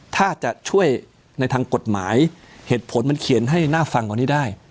ถ้าจะช่วยในทางกฎหมายเหตุผลมันเขียนให้น่าฟังกว่านี้ได้